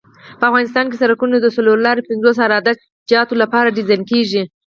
په افغانستان کې سرکونه د څلور سوه پنځوس عراده جاتو لپاره ډیزاین کیږي